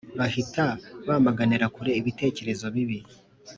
bahita bamaganira kure ibitekerezo bibi